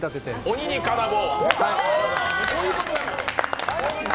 鬼に金棒！